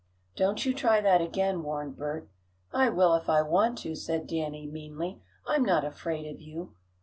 "Don't you try that again," warned Bert. "I will if I want to," said Danny, meanly, "I'm not afraid of you."